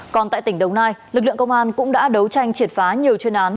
còn tại tỉnh đồng nai lực lượng công an cũng đã đấu tranh triệt phá nhiều chuyên án